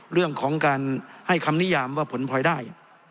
เรื่องของการให้คำนิยามว่าผลพลอยได้